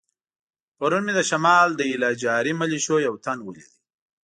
پرون مې د شمال د ایله جاري ملیشو یو تن ولید.